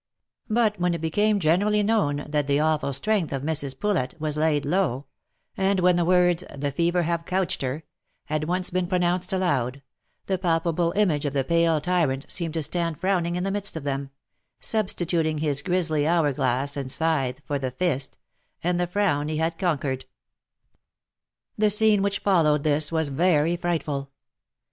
But when it became generally known that the awful strength of Mrs. Poulet was laid low, and when the words, " the fever have cautched her V had once been pronounced aloud, the palpable image of the pale tyrant seemed to stand frowning in the midst of them, substituting his grisley hour glass and scythe for the fist, and the frown he had con quered. The scene which followed this was very frightful.